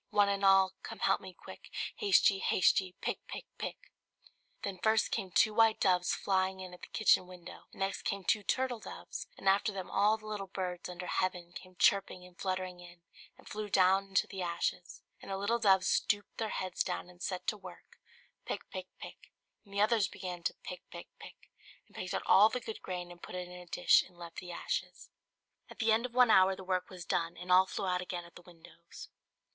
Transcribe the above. One and all, come help me quick, Haste ye, haste ye pick, pick, pick!" Then first came two white doves flying in at the kitchen window; and next came two turtle doves; and after them all the little birds under heaven came chirping and fluttering in, and flew down into the ashes; and the little doves stooped their heads down and set to work, pick, pick, pick; and then the others began to pick, pick, pick; and picked out all the good grain and put it in a dish, and left the ashes. At the end of one hour the work was done, and all flew out again at the windows.